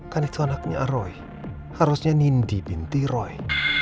kan itu anaknya roy harusnya nindi binti roy